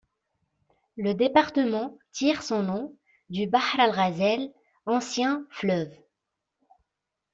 Le département tire son nom du Bahr el Ghazal, ancien fleuve.